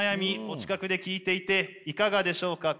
お近くで聞いていていかがでしょうか。